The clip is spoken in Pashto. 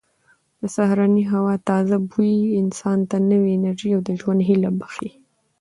د سهارنۍ هوا تازه بوی انسان ته نوې انرژي او د ژوند هیله بښي.